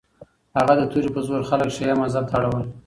هغه د توري په زور خلک شیعه مذهب ته اړول.